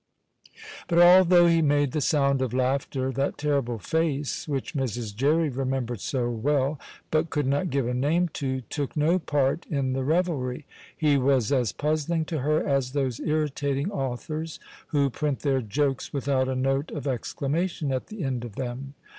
But, though he made the sound of laughter, that terrible face which Mrs. Jerry remembered so well, but could not give a name to, took no part in the revelry; he was as puzzling to her as those irritating authors who print their jokes without a note of exclamation at the end of them.